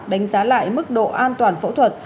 đánh giá lại mức độ an toàn phẫu thuật